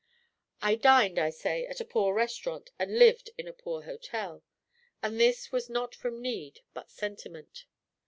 I dined, I say, at a poor restaurant and lived in a poor hotel; and this was not from need, but sentiment.